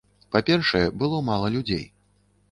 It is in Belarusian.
Па-першае, было мала людзей.